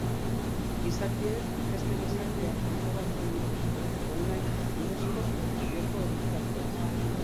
Gizakiek beste gizakiak kontrolatzen dituzte online bidezko jokoen bitartez.